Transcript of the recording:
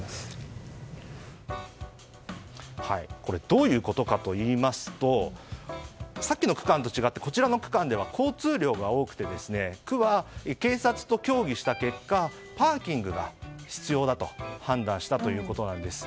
どういうことかといいますとさっきの区間と違ってこちらの区間では交通量が多くて区は、警察と協議した結果パーキングが必要だと判断したということなんです。